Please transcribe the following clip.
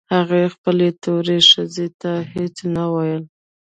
هغه خپلې تورې ښځې ته هېڅ نه ويل.